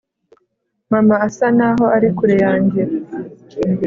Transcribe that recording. mama asa naho ari kure yanjye